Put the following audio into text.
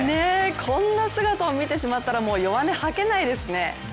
こんな姿を見てしまったら弱音、はけないですね。